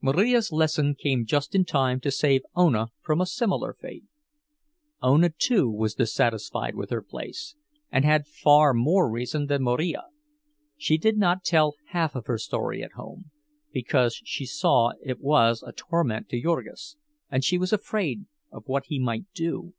Marija's lesson came just in time to save Ona from a similar fate. Ona, too, was dissatisfied with her place, and had far more reason than Marija. She did not tell half of her story at home, because she saw it was a torment to Jurgis, and she was afraid of what he might do.